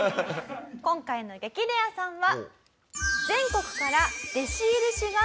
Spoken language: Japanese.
今回の激レアさんは。